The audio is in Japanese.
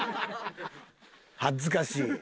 恥ずかしい。